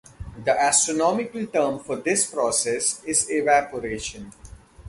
The astronomical term for this process is evaporation.